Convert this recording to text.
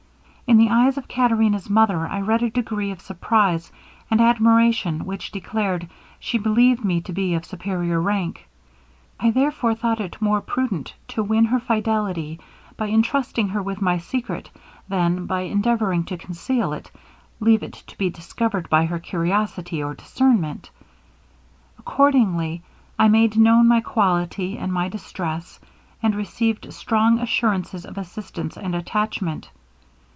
In the eyes of Caterina's mother I read a degree of surprise and admiration which declared she believed me to be of superior rank; I, therefore, thought it more prudent to win her fidelity by entrusting her with my secret than, by endeavouring to conceal it, leave it to be discovered by her curiosity or discernment. Accordingly, I made known my quality and my distress, and received strong assurances of assistance and attachment.